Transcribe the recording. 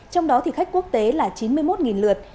trong đó khách quốc tế là chín mươi một lượt